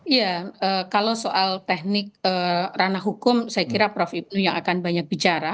iya kalau soal teknik ranah hukum saya kira prof ibnu yang akan banyak bicara